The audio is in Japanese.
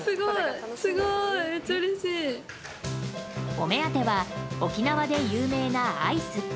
お目当ては沖縄で有名なアイス。